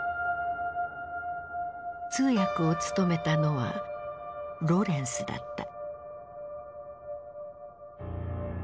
通訳を務めたのはロレンスだった。